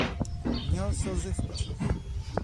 Měl slzy v očích.